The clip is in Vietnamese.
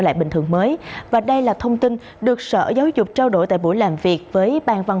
lại bình thường mới và đây là thông tin được sở giáo dục trao đổi tại buổi làm việc với bang văn